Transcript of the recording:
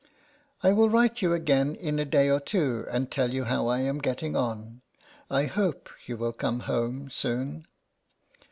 I will write you again in a day or two, and tell you how I am getting on. I hope you will come home soon.